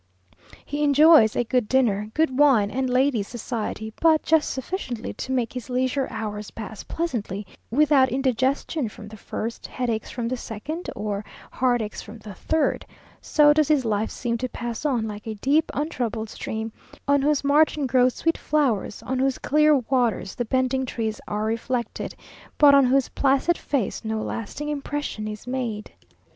He enjoys a good dinner, good wine, and ladies' society, but just sufficiently to make his leisure hours pass pleasantly, without indigestion from the first, headaches from the second, or heartaches from the third. So does his life seem to pass on like a deep untroubled stream, on whose margin grow sweet flowers, on whose clear waters the bending trees are reflected, but on whose placid face no lasting impression is made.